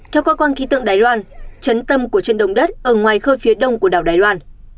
theo cơ quan khí tượng đài loan trấn tâm của trận động đất ở ngoài đài loan